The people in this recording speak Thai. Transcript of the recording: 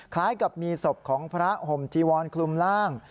คล้ายกับมีศพของพระห่มจีวรคลุมร่าง